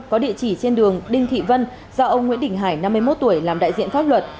có địa chỉ trên đường đinh thị vân do ông nguyễn đình hải năm mươi một tuổi làm đại diện pháp luật